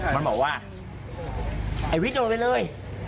มันบอกว่าไอ้วิทโดดไปเลย